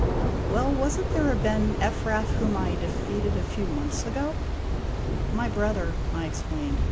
" Well, was n't there a ben Ephraf whom I defeated a few months ago?' " My brother," I explained.